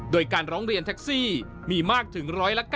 โดยการร้องเรียนแท็กซี่มีมากถึง๑๙